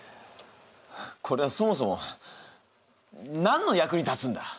これはそもそも何の役に立つんだ？